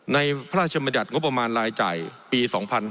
พระราชบัญญัติงบประมาณรายจ่ายปี๒๕๕๙